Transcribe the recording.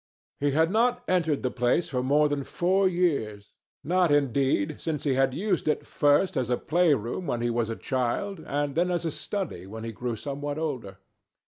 He had not entered the place for more than four years—not, indeed, since he had used it first as a play room when he was a child, and then as a study when he grew somewhat older.